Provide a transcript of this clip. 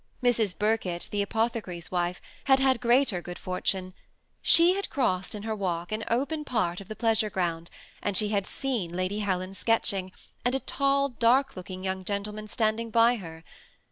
Mrs. Birkett, the apothecary's wife, had had greater good fortune : she had crossed in her walk an open part of the pleasure ground, and she had seen Lady Helen sketching, and a tall, dark looking young gentleman standing by her.